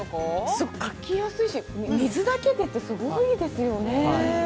◆すごく書きやすいし、水だけってすごいですよね。